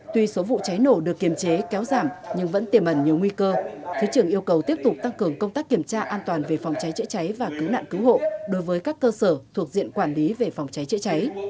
tuy số vụ cháy nổ được kiềm chế kéo giảm nhưng vẫn tiềm ẩn nhiều nguy cơ thứ trưởng yêu cầu tiếp tục tăng cường công tác kiểm tra an toàn về phòng cháy chữa cháy và cứu nạn cứu hộ đối với các cơ sở thuộc diện quản lý về phòng cháy chữa cháy